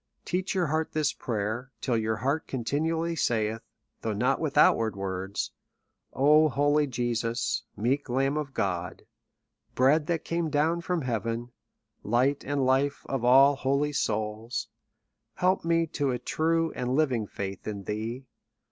Teach your heart this prayer, till your heart conti nually saith, though not with outward words :" O, holy Jesus ! meek Lamb of God! Bread that came down from heaven ! Light and Life of all holy souls ! help me to a true and living faith in thee.